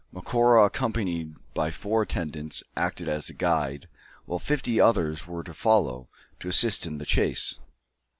Macora, accompanied by four attendants, acted as guide, while fifty others were to follow, to assist in the chase.